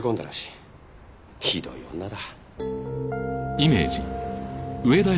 ひどい女だ。